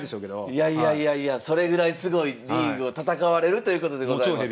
いやいやいやいやそれぐらいすごいリーグを戦われるということでございます。